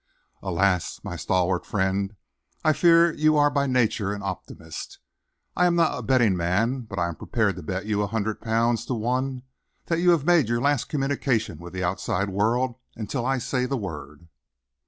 "Alas, my stalwart friend, I fear that you are by nature an optimist! I am not a betting man, but I am prepared to bet you a hundred pounds to one that you have made your last communication with the outside world until I say the word."